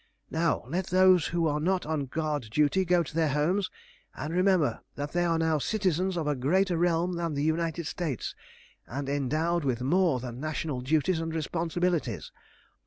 "Now let those who are not on guard duty go to their homes, and remember that they are now citizens of a greater realm than the United States, and endowed with more than national duties and responsibilities.